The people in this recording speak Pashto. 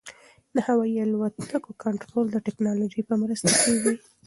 د هوايي الوتکو کنټرول د ټکنالوژۍ په مرسته کېږي.